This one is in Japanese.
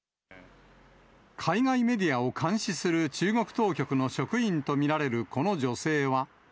海外メディアを監視する中国当局の職員と見られるこの女性は。